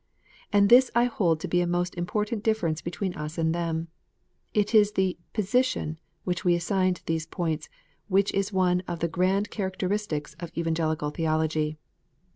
And this I hold to be a most important difference between us and them. It is HIQ position which we assign to these points, which is one of the grand characteristics of Evangelical theology.